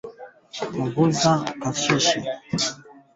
Waandamanaji wawili wameuawa kwa kupigwa risasi nchini Sudan